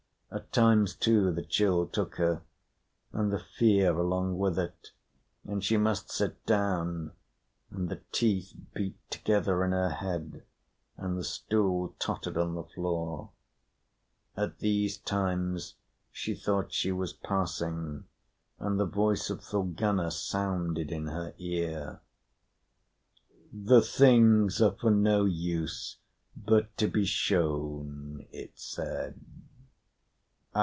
At times, too, the chill took her and the fear along with it; and she must sit down, and the teeth beat together in her head, and the stool tottered on the floor. At these times, she thought she was passing, and the voice of Thorgunna sounded in her ear: "The things are for no use but to be shown," it said.